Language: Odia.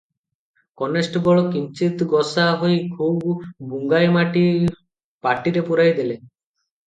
କନେଷ୍ଟବଲ - କିଞ୍ଚିତ୍ ଗୋସା ହୋଇ ଖୁବ୍ ବୁଙ୍ଗାଏ ମାଟି ପାଟିରେ ପୂରାଇ ଦେଲେ ।